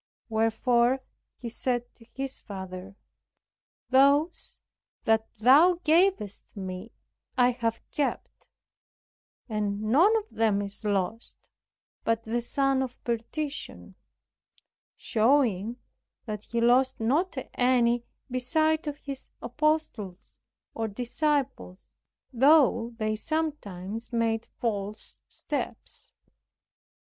Wherefore He said to His Father, "Those that thou gavest me I have kept, and none of them is lost but the son of perdition," showing that He lost not any beside of His apostles, or disciples, though they sometimes made false steps.